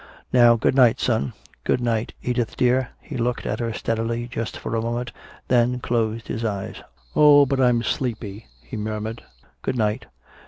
Now good night, son. Good night, Edith dear." He looked at her steadily just for a moment, then closed his eyes. "Oh, but I'm sleepy," he murmured. "Good night."